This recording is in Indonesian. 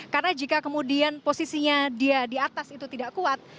karena jika kemudian posisinya dia di atas itu tidak kuat